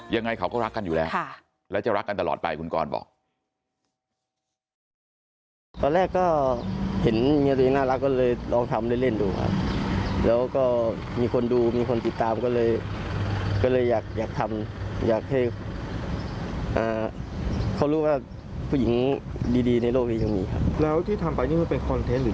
ยังไงเขาก็รักกันอยู่แล้วและจะรักกันตลอดไปคุณกรบอก